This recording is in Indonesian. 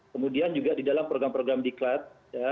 kemudian juga di dalam program program di klaat